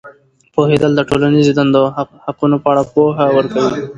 پوهېدل د ټولنیزې دندو او حقونو په اړه پوهه ورکوي.